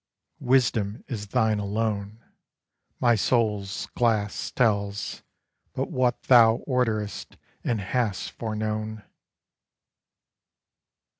Wisdom is thine alone : My soul's glass tells But what thou orderedst and hast foreknown.